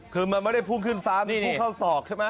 คือมันไม่ได้พุ่งขึ้นฟ้ามันพุ่งเข้าศอกใช่ไหม